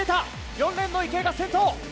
４レーン、池江が先頭！